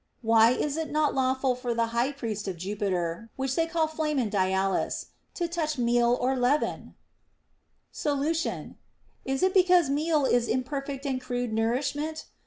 Why is it not lawful for the high priest of Jupiter, which they call Flamen Dialis, to touch meal or leaven \ Solution. Is it because meal is imperfect and crude nourishment